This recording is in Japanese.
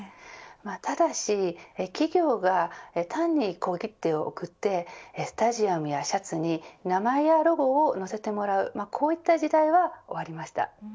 ただし、企業が単に小切手を贈ってスタジアムやシャツに名前やロゴを載せてもらうこういった時代は終わりました。